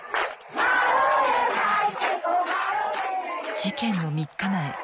事件の３日前。